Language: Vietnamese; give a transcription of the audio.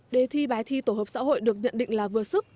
đề thi bài thi tổ hợp xã hội được nhận định là vừa sức